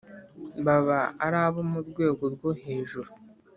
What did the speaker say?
baba ari abo mu rwego rwo hejuru.